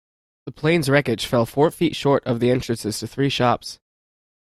The plane's wreckage fell four feet short of the entrances to three shops.